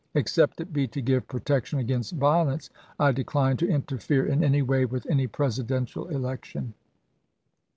Except it be <f A to give protection against violence, I decline to interfere isk. ' in any way with any Presidential election.